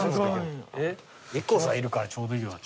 ＩＫＫＯさんいるからちょうどいいわ。